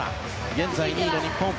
現在２位の日本。